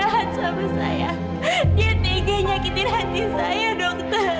kenapa aksan sekarang berubah sama saya dokter